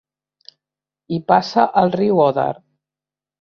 Hi passa el riu Oder.